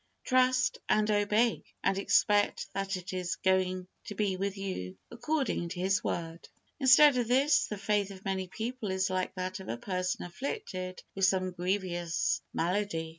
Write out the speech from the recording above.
Trust and obey, and expect that it is going to be with you according to His Word. Instead of this, the faith of many people is like that of a person afflicted with some grievous malady.